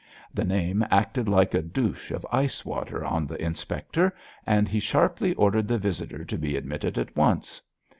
The name acted like a douche of iced water on the inspector, and he sharply ordered the visitor to be admitted at once.